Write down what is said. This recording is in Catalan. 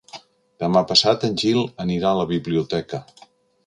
Demà passat en Gil anirà a la biblioteca.